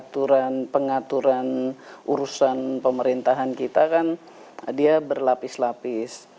aturan pengaturan urusan pemerintahan kita kan dia berlapis lapis